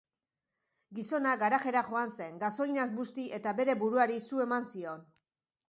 Gizona garajera joan zen, gasolinaz busti eta bere buruari su eman zion.